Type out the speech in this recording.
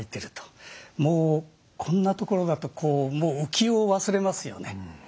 もうこんなところだとこうもう浮世を忘れますよね。